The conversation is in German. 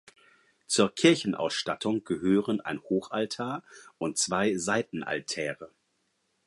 Zur Kirchenausstattung gehören ein Hochaltar und zwei Seitenaltäre.